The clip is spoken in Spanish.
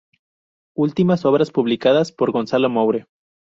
Últimas obras publicadas por Gonzalo Moure.